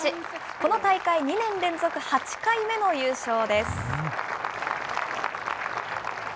この大会２年連続８回目の優勝です。